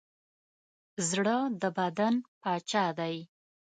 زړه د بدن پاچا دی.